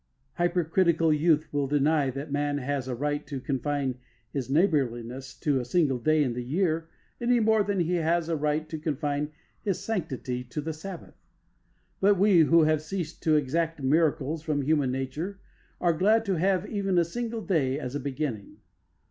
Hypercritical youth will deny that man has a right to confine his neighbourliness to a single day in the year any more than he has a right to confine his sanctity to the Sabbath. But we who have ceased to exact miracles from human nature are glad to have even a single day as a beginning.